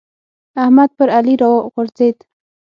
احمد پر علي راغورځېد.